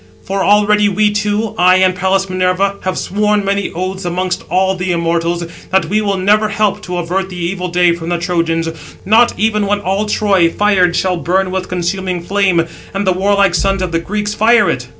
For already we two, I and Pallas Minerva, have sworn many oaths amongst all the immortals, that we will never help to avert the evil day from the Trojans, not even when all Troy, fired, shall burn with consuming flame, and the warlike sons of the Greeks fire it."